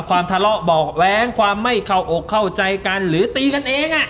ทะเลาะเบาะแว้งความไม่เข้าอกเข้าใจกันหรือตีกันเอง